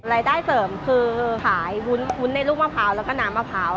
รายได้เสริมคือขายวุ้นในลูกมะพร้าวแล้วก็น้ำมะพร้าว